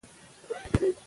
د شبکې ساتنه وکړه.